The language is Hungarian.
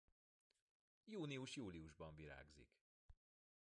Június-júliusban virágzik.